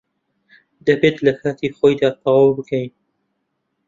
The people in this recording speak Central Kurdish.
دەبێت لە کاتی خۆیدا تەواو بکەین.